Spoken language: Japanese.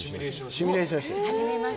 シミュレーションして。